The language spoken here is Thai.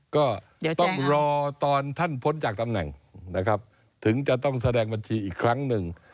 ก็ต้องรอตอนท่านพ้นจากตำแหน่งนะครับถึงจะต้องแสดงบัญชีอีกครั้งหนึ่ง